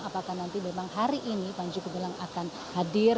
apakah nanti memang hari ini panji gumilang akan hadir